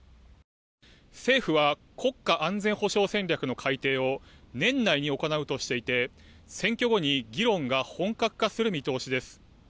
政府は国家安全保障戦略の改定を年内に行うとしていて選挙後に議論が本格化する見通しです。